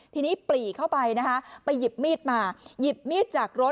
ทีนี้ปลีเข้าไปนะคะไปหยิบมีดมาหยิบมีดจากรถ